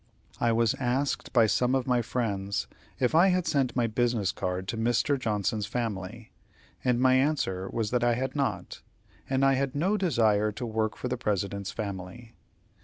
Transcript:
I was asked by some of my friends if I had sent my business cards to Mr. Johnson's family, and my answer was that I had not, as I had no desire to work for the President's family.